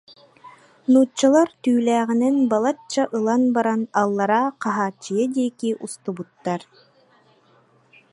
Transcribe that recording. Нууччалар түүлээҕинэн балачча ылан баран аллара Хаһааччыйа диэки устубуттар